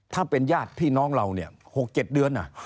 ถ้าเป็นญาติพี่น้องเราเนี่ย๖๗เดือน